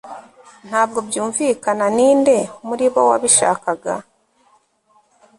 Ntabwo byumvikana ninde muri bo wabishakaga